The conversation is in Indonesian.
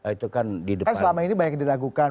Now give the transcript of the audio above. itu kan di depan kan selama ini banyak didagukan